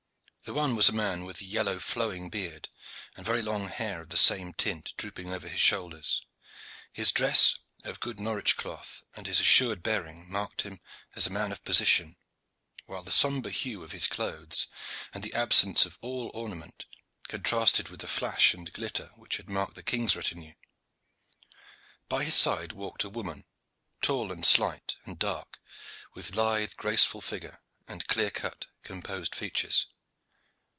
The one was a man with yellow flowing beard and very long hair of the same tint drooping over his shoulders; his dress of good Norwich cloth and his assured bearing marked him as a man of position, while the sombre hue of his clothes and the absence of all ornament contrasted with the flash and glitter which had marked the king's retinue. By his side walked a woman, tall and slight and dark, with lithe, graceful figure and clear cut, composed features.